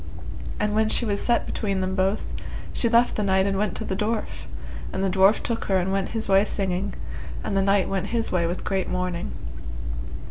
And when she was set between them both, she left the knight and went to the dwarf, and the dwarf took her and went his way singing, and the knight went his way with great mourning.